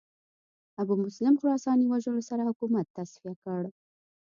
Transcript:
ابومسلم خراساني وژلو سره حکومت تصفیه کړ